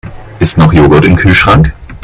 Ist noch Joghurt im Kühlschrank?